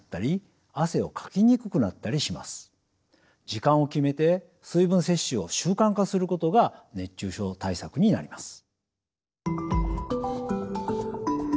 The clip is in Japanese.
時間を決めて水分摂取を習慣化することが熱中症対策になります。